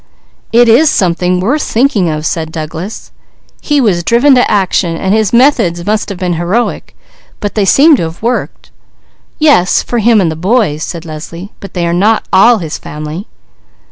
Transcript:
"It is something worth thinking of," said Douglas. "He was driven to action, but his methods must have been heroic; for they seem to have worked." "Yes, for him and the boys," said Leslie, "but they are not all his family."